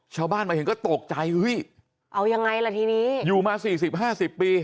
ชาวบ้านมาเห็นก็ตกใจเอายังไงล่ะทีนี้อยู่มา๔๐๕๐ปี